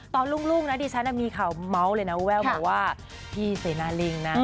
ตอนรุ่งนะที่ฉันมีข่าวแว้วเลยนะว่าพี่สีนาลิงนะ